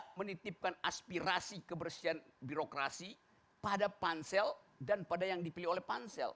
kita menitipkan aspirasi kebersihan birokrasi pada pansel dan pada yang dipilih oleh pansel